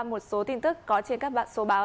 một số tin tức có trên các bạn số báo